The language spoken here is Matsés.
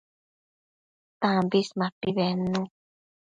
Tambis mapi bednu